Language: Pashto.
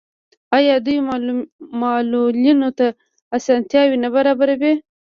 آیا دوی معلولینو ته اسانتیاوې نه برابروي؟